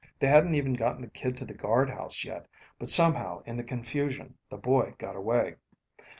They hadn't even gotten the kid to the guard house yet, but somehow in the confusion the boy got away.